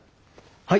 はい。